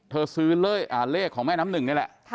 ซื้อเลขของแม่น้ำหนึ่งนี่แหละ